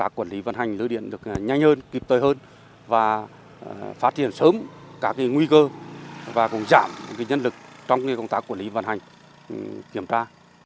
và quản lý vận hành đường dây khi ứng dụng qr code trong kiểm tra thiết bị